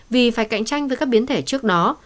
vì phải cạnh tranh với các biến thể trước đó